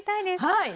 はい。